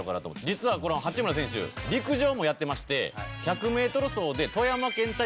実は八村選手陸上もやってまして。